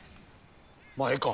まあええか。